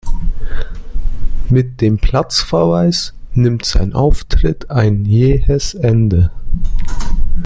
Mit dem Platzverweis nimmt sein Auftritt ein jähes Ende.